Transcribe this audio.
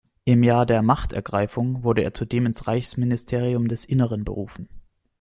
Im Jahr der „Machtergreifung“ wurde er zudem ins Reichsministerium des Innern berufen.